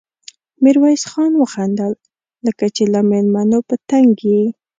ميرويس خان وخندل: لکه چې له مېلمنو په تنګ يې؟